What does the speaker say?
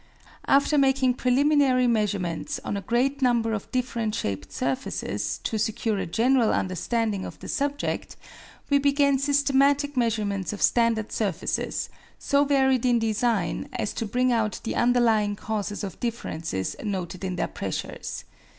After making preliminary measurements on a great number of different shaped surfaces, to secure a general understanding of the subject, we began systematic measurements of standard surfaces, so varied in design as to bring out the underlying causes of differences noted in their pressures.